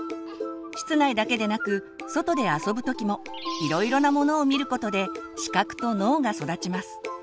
室内だけでなく外で遊ぶ時もいろいろなものを見ることで視覚と脳が育ちます。